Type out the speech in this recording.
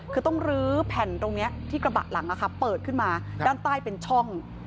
คือต้องลื้อแผ่นตรงนี้ที่กระบะหลังเปิดขึ้นมาด้านใต้เป็นช่อง